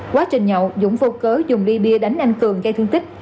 quá trình nhậu dũng vô cớ dùng đi bia đánh anh cường gây thương tích